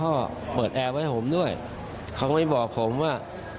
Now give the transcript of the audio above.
ก็เปิดแอร์ไว้ให้ผมด้วยเขาไม่บอกผมว่า